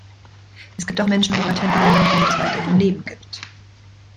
Es gibt auch Menschen, die Patente wollen, damit es weiterhin Leben gibt.